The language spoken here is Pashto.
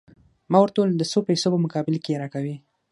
ما ورته وویل: د څو پیسو په مقابل کې يې راکوې؟